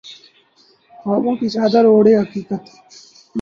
خوابوں کی چادر اوڑھے حقیقت